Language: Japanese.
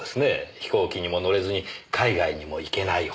飛行機にも乗れずに海外にも行けないほど。